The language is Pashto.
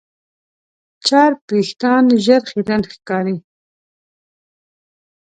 چرب وېښتيان ژر خیرن ښکاري.